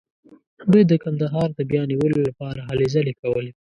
دوی د کندهار د بیا نیولو لپاره هلې ځلې کولې.